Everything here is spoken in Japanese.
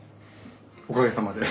おかげさまで。